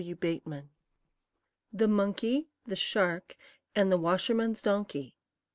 THE MONKEY, THE SHARK, AND THE WASHERMAN'S DONKEY.